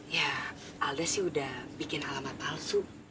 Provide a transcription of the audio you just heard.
ya alda sih udah bikin alamat palsu